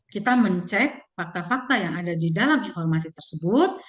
kita mencek fakta fakta yang ada di dalam informasi tersebut